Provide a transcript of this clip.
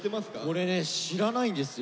これね知らないんですよ。